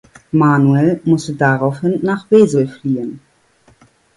Manuel musste daraufhin nach Wesel fliehen.